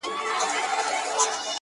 په سپينه زنه كي خال ووهي ويده سمه زه”